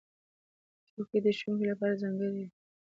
چوکۍ د ښوونکو لپاره ځانګړې وي.